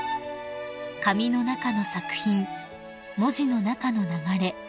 ［「紙の中の作品文字の中の流れ